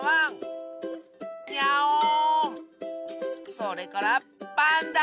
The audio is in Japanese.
それからパンダ！